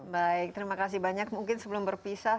baik terima kasih banyak mungkin sebelum berpisah